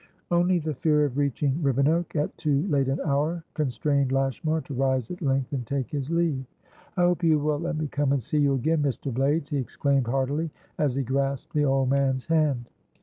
Only the fear of reaching Rivenoak at too late an hour constrained Lashmar to rise at length and take his leave. "I hope you will let me come and see you again, Mr. Blaydes," he exclaimed heartily, as he grasped the old man's hand.